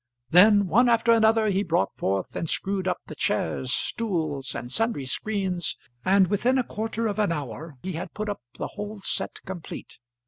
Then, one after another, he brought forth and screwed up the chairs, stools, and sundry screens, and within a quarter of an hour he had put up the whole set complete.